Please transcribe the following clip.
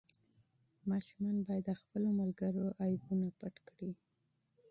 ماشومان باید د خپلو ملګرو عیبونه پټ کړي.